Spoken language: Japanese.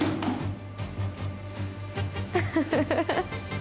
ウフフフ。